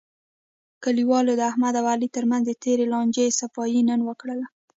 کلیوالو د احمد او علي ترمنځ د تېرې لانجې صفایی نن وکړله.